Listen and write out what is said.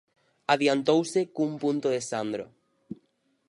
Adiantouse cun punto de Sandro.